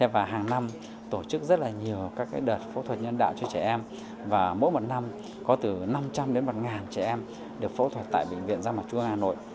và hàng năm tổ chức rất là nhiều các đợt phẫu thuật nhân đạo cho trẻ em và mỗi một năm có từ năm trăm linh đến một trẻ em được phẫu thuật tại bệnh viện gia mặt trung ương hà nội